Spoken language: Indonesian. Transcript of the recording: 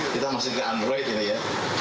kita masih ke android ini ya